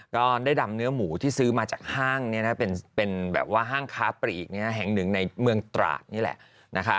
ก็ได้ดำเนื้อหมูที่ซื้อมาจากห้างเป็นแบบว่าห้างค้าปลีกแห่งหนึ่งในเมืองตราดนี่แหละนะคะ